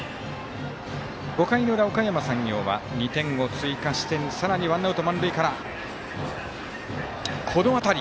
５回の裏、おかやま山陽は２点を追加してさらにワンアウト、満塁からこの当たり。